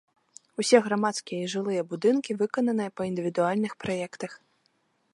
Усе грамадскія і жылыя будынкі выкананыя па індывідуальных праектах.